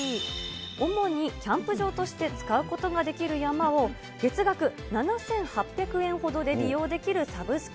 主にキャンプ場として使うことができる山を、月額７８００円ほどで利用できるサブスク。